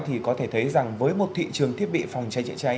thì có thể thấy rằng với một thị trường thiết bị phòng cháy chữa cháy